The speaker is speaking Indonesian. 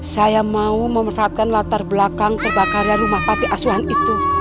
saya mau memanfaatkan latar belakang terbakaran rumah pak rt asuhan itu